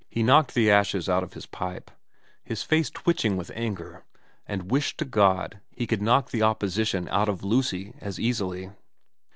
He knocked the ashes out of his pipe, his face twitch ing with anger, and wished to God he could knock the opposition out of Lucy as easily.